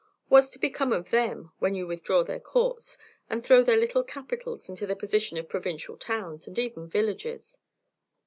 What's to become of them when you withdraw their courts, and throw their little capitals into the position of provincial towns and even villages?"